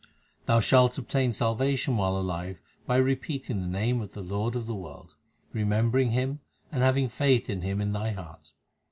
Thou shalt obtain salvation while alive by repeating the name of the Lord of the world, remembering Him, and having faith in Him in thy heart.